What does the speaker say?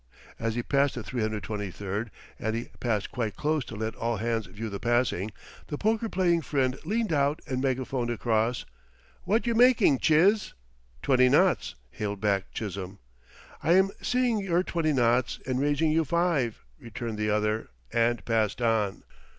As he passed the 323 and he passed quite close to let all hands view the passing the poker playing friend leaned out and megaphoned across: "What you making, Chiz?" "Twenty knots!" hailed back Chisholm. "I am seeing your twenty knots and raising you five!" returned the other, and passed on.